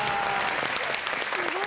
すごい。